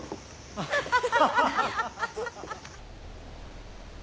ハハハハ。